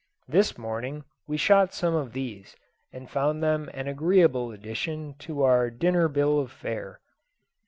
This morning we shot some of these, and found them an agreeable addition to our dinner bill of fare.